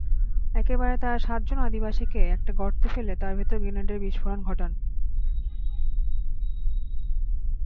একবার তাঁরা সাতজন আদিবাসীকে একটা গর্তে ফেলে তার ভেতর গ্রেনেডের বিস্ফোরণ ঘটান।